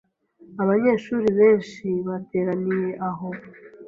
Abanyeshuri benshi bateraniye aho.